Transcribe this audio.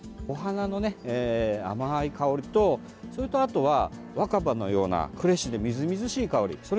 お花の甘い香りと、それとあとは若葉のようなフレッシュでみずみずしい香り。